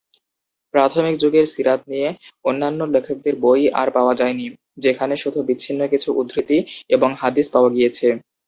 প্রাথমিক যুগের সীরাত নিয়ে অন্যান্য লেখকদের বই আর পাওয়া যায়নি, যেখানে শুধু বিচ্ছিন্ন কিছু উদ্ধৃতি এবং হাদিস পাওয়া গিয়েছে।